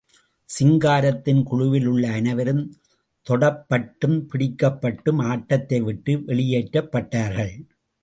சிங்காரத்தின் குழுவில் உள்ள அனைவரும் தொடப்பட்டும், பிடிக்கப்பட்டும் ஆட்டத்தை விட்டு வெளியேற்றப்பட்டார்கள்.